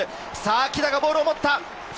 木田がボールを持った！